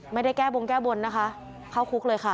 ไม่ได้แก้บงแก้บนนะคะเข้าคุกเลยค่ะ